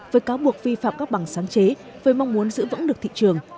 với cáo buộc vi phạm các bằng sáng chế với mong muốn giữ vững được thị trường